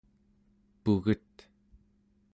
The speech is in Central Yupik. puget